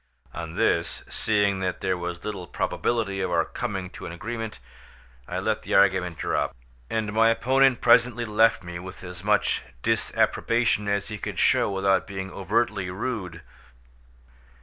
On this, seeing that there was little probability of our coming to an agreement, I let the argument drop, and my opponent presently left me with as much disapprobation as he could show without being overtly rude.